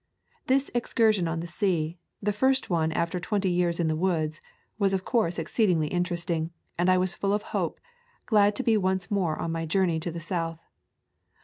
This excursion on the sea, the first one after twenty years in the woods, was of course ex ceedingly interesting, and I was full of hope, glad to be once more on my journey to the South.